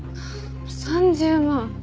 ３０万。